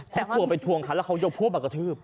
คุณกลัวไปทวงคันแล้วเขายกพวกมากระทืบ